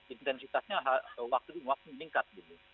intensitasnya waktu waktu meningkat